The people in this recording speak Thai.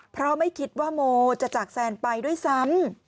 เพราะไม่คิดว่าโมจะจากแซนไปด้วยซ้ำ